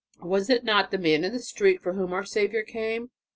Was it not the "man in the street" for whom our Saviour came?